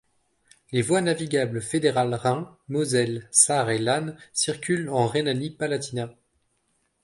Les voies navigables fédérales Rhin, Moselle, Sarre et Lahn circulent en Rhénanie-Palatinat.